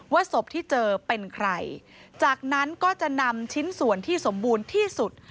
ศพที่เจอเป็นใครจากนั้นก็จะนำชิ้นส่วนที่สมบูรณ์ที่สุด